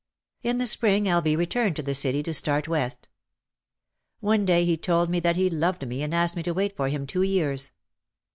In the spring L. V. returned to the city to start West. One day he told me that he loved me and asked me to wait for him two years.